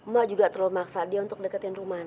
mak juga terlalu maksa dia untuk deketin rumana